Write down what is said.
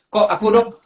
kok aku dong